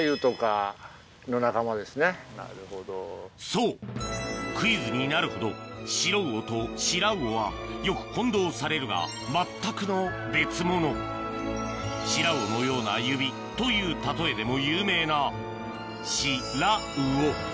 そうクイズになるほどシロウオとシラウオはよく混同されるが全くの別物「白魚のような指」という例えでも有名なシラウオ